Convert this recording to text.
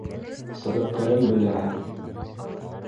Сәбәптәрен беләһең.